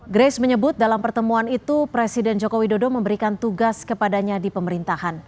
grace menyebut dalam pertemuan itu presiden joko widodo memberikan tugas kepadanya di pemerintahan